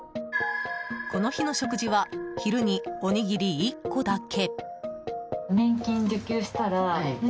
この日の食事は昼に、おにぎり１個だけ。